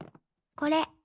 これ。